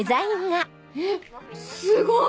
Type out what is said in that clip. えっすごい！